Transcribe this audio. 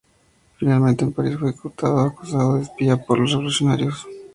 Finalmente, en París, fue ejecutado acusado de espía por los revolucionarios.